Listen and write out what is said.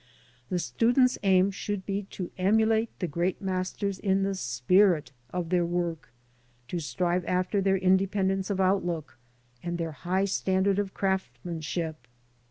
The student's aim should be to emulate the great masters in the spirii of their work ; to strive after their independence of outlook, and their high standard of craftsmanship.